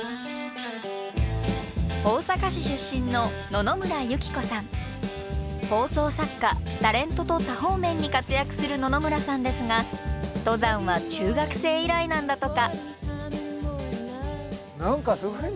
大阪市出身の放送作家タレントと多方面に活躍する野々村さんですが登山は中学生以来なんだとか。